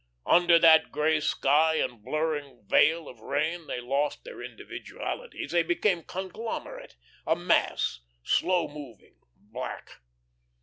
Under that grey sky and blurring veil of rain they lost their individualities, they became conglomerate a mass, slow moving, black.